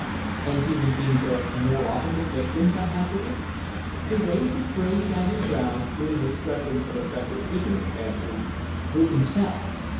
"And human beings are more often the victims?" I hazarded. He raised his grey, shaggy brows with an expression of affected ignorance, answering "Who can tell?